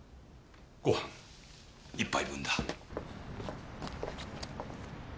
ご飯１杯分だ。